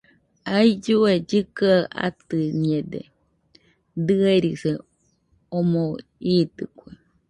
Aillue kɨkɨaɨ atɨñede, dɨerise omo iitɨkue.